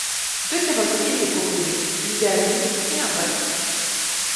Deux carrosseries étaient proposées, une berline et un break.